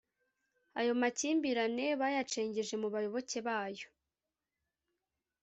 ayo makimbirane bayacengeje mu bayoboke bayo.